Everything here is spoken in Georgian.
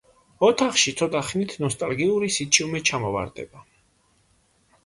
ოთახში ცოტა ხნით ნოსტალგიური სიჩუმე ჩამოვარდება.